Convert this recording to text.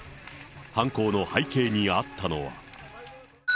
犯行の背景にあったのは。